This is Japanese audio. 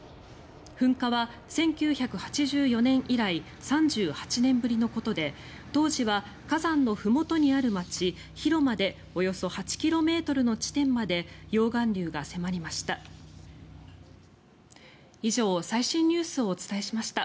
噴火は１９８４年以来３８年ぶりのことで当時は火山のふもとにある街ヒロまでおよそ８ｋｍの地点まで溶岩流が迫りました。